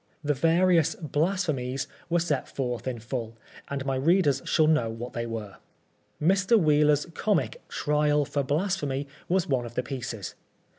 The various " blasphemies " were set forth in full, and my readers shall know what they were. Mr. Wheeler's comic "Trial for Blasphemy" was one of the pieces.